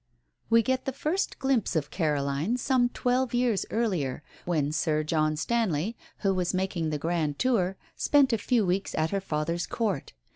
We get the first glimpse of Caroline some twelve years earlier, when Sir John Stanley, who was making the grand tour, spent a few weeks at her father's Court.